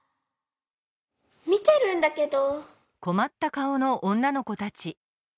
みてるんだけど。